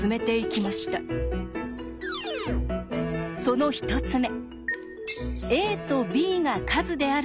その１つ目。